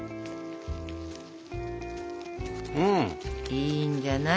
いいんじゃない？